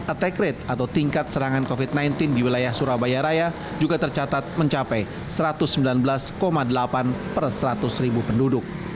attack rate atau tingkat serangan covid sembilan belas di wilayah surabaya raya juga tercatat mencapai satu ratus sembilan belas delapan per seratus ribu penduduk